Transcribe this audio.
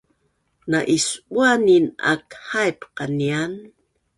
Na’isbuanin aak haip qanian